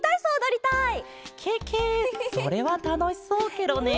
ケケそれはたのしそうケロね！